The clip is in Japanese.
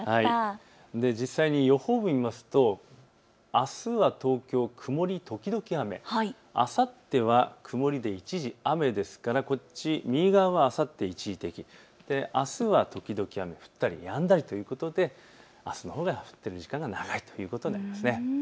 実際に予報を見ますとあすは東京曇り時々雨、あさっては曇りで一時雨ですから、右側はあさって一時的、あすは時々雨、降ったりやんだりということであすのほうが降っている時間が長いということになります。